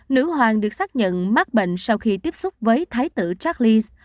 nữ hoàng được xác nhận mắc bệnh sau khi tiếp xúc với thái tử tracklines